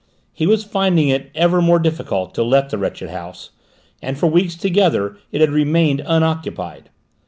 He was finding it ever more difficult to let the wretched house, and for weeks together it had remained unoccupied.